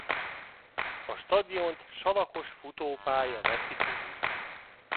A stadiont salakos futópálya veszi körül.